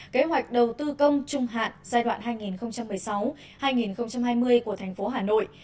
kế hoạch đầu tư công trung hạn giai đoạn hai nghìn một mươi sáu hai nghìn hai mươi của thành phố hà nội